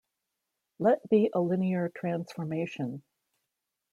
Let be a linear transformation.